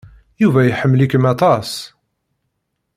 Yuba iḥemmel-ikem aṭas.